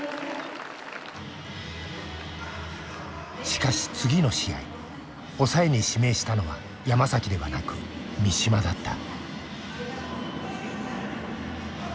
しかし次の試合抑えに指名したのは山ではなく三嶋だった。